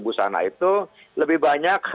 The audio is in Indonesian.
busana itu lebih banyak